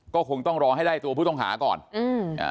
ก็คงต้องรอให้ได้ตัวผู้ต้องหาก่อนอืมอ่า